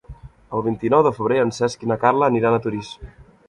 El vint-i-nou de febrer en Cesc i na Carla aniran a Torís.